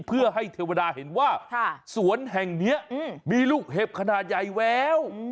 เพื่อให้เทวดาเห็นว่าสวนแห่งนี้มีลูกเห็บขนาดใหญ่แวว